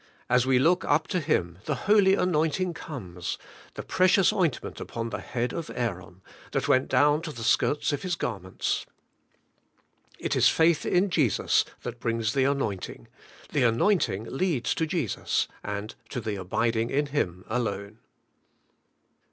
As we look up to Him, the holy anointing comes, *the precious ointment upon the head of Aaron, that went down to the skirts of his garments. ' It is faith in Jesus that brings the anoint ing; the anointing leads to Jesus, and to the abiding in Him alone.